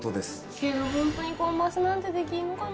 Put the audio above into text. けどホントにコンマスなんてできんのかなぁ。